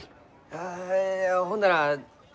あほんなら全部。